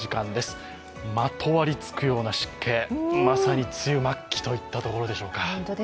まとわりつくような湿気、まさに梅雨末期といったところでしょうか。